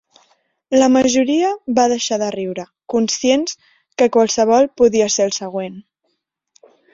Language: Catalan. La majoria va deixar de riure, conscients que qualsevol podia ser el següent.